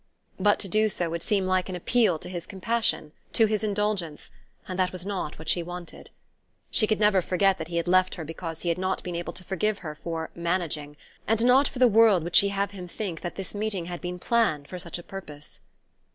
but to do so would seem like an appeal to his compassion, to his indulgence; and that was not what she wanted. She could never forget that he had left her because he had not been able to forgive her for "managing" and not for the world would she have him think that this meeting had been planned for such a purpose.